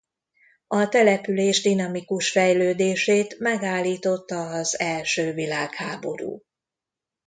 A település dinamikus fejlődését megállította az első világháború.